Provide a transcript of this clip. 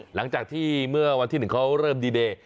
หลังจากที่เมื่อวันที่๑เขาเริ่มดีเดย์